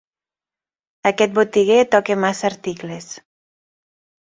Aquest botiguer toca massa articles.